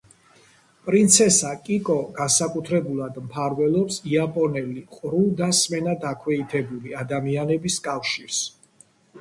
პრინცესა კიკო განსაკუთრებულად მფარველობს იაპონელი ყრუ და სმენა დაქვეითებული ადამიანების კავშირს.